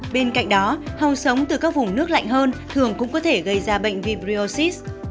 bên cạnh đó hầu sống từ các vùng nước lạnh hơn thường cũng có thể gây ra bệnh vibriosis